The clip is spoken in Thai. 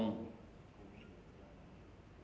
ที่นี่